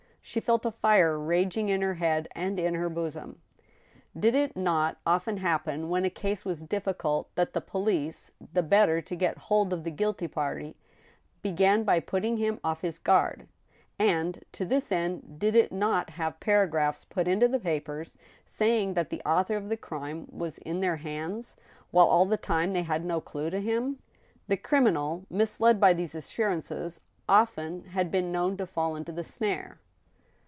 She felt a fire raging in her head and in her bosom. Did it not often happen, when a case was difficult, that the po lice, the better to get hold of the guilty party, began by putting him off his guard ; and, to this end, did it not have paragraphs put into the papers, saying that the author of the crime was in their hands, while all the time they had no clew to him } The criminal, misled by these assurances, often had been known to fall into the snare.